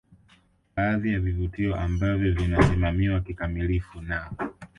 Baadhi ya vivutio ambavyo vinasimamiwa kikamilifu na